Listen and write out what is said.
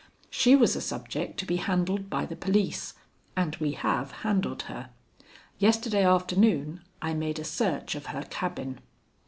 She was a subject to be handled by the police, and we have handled her. Yesterday afternoon I made a search of her cabin."